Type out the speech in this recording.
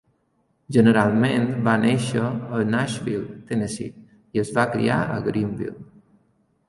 Generalment va nàixer a Nashville, Tennessee i es va criar a Greeneville.